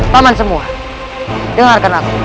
paman semua dengarkan aku